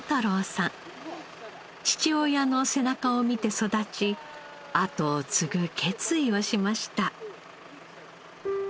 父親の背中を見て育ち後を継ぐ決意をしました。